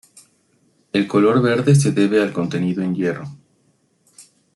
El color verde se debe al contenido en hierro.